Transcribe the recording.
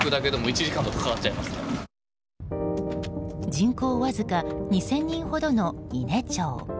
人口わずか２０００人ほどの伊根町。